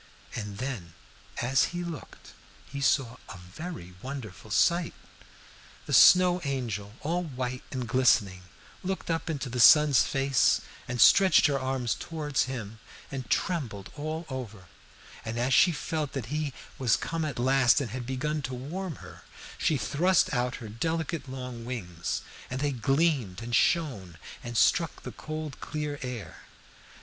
And then, as he looked, he saw a very wonderful sight. "The Snow Angel, all white and glistening, looked up into the sun's face and stretched her arms towards him and trembled all over; and as she felt that he was come at last and had begun to warm her, she thrust out her delicate long wings, and they gleamed and shone and struck the cold clear air.